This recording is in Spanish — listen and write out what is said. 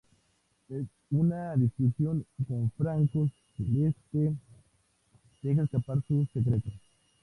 En una discusión con Franco, Celeste deja escapar su secreto.